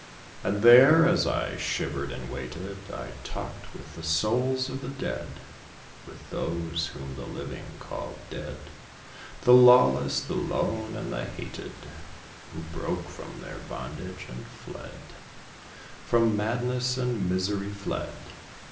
And there, as I shivered and waited, I talked with the Souls of the Dead With those whom the living call dead; The lawless, the lone, and the hated, Who broke from their bondage and fled From madness and misery fled.